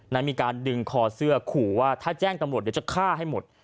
มีการดึงคอเสื้อขู่ว่าถ้าแจ้งตำรวจเดี๋ยวจะฆ่าให้หมด